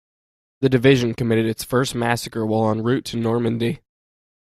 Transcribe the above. The division committed its first massacre while en route to Normandy.